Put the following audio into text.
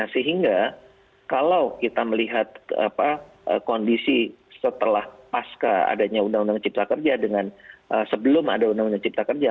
sehingga kalau kita melihat kondisi setelah pasca adanya undang undang cipta kerja dengan sebelum ada undang undang cipta kerja